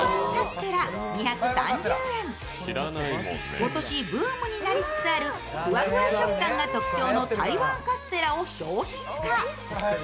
今年ブームになりつつあるふわふわ食感が特徴の台湾カステラを商品化。